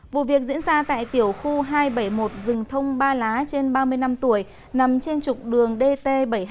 vụ việc diễn ra tại tiểu khu hai trăm bảy mươi một rừng thông ba lá trên ba mươi năm tuổi nằm trên trục đường dt bảy trăm hai mươi